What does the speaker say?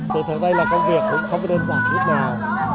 sự thực tế là công việc cũng không đơn giản hết nào